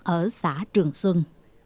ở xã trường xuân